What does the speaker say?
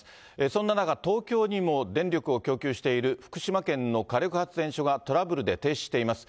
そんな中、東京にも電力を供給している福島県の火力発電所がトラブルで停止しています。